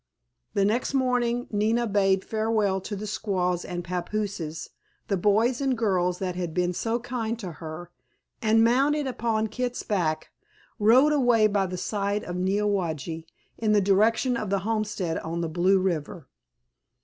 The next morning Nina bade farewell to the squaws and papooses, the boys and girls that had been so kind to her, and mounted upon Kit's back, rode away by the side of Neowage in the direction of the homestead on the Blue River.